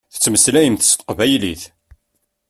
Tettmeslayemt s teqbaylit.